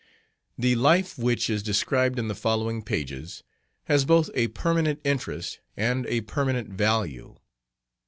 "The life which is described in the following pages has both a permanent interest and a permanent value.